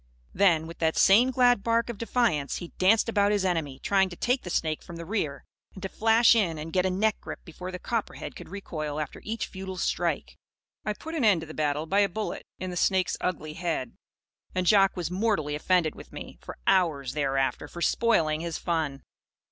Then, with that same glad bark of defiance, he danced about his enemy, trying to take the snake from the rear and to flash in and get a neck grip before the copperhead could recoil after each futile strike. I put an end to the battle by a bullet in the snake's ugly head. And Jock was mortally offended with me, for hours thereafter, for spoiling his fun.